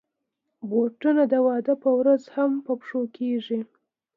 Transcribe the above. بوټونه د واده پر ورځ هم اغوستل کېږي.